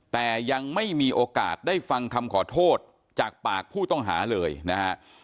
แต่ยังไม่มีโอกาสได้ฟังคำขอโทษจากปากผู้ต้องหาเลยนะฮะ